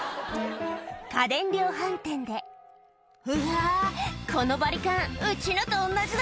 家電量販店で「うわこのバリカンうちのと同じだ」